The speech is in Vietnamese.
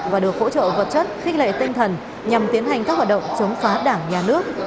và được hỗ trợ vật chất khích lệ tinh thần nhằm tiến hành các hoạt động chống phá đảng nhà nước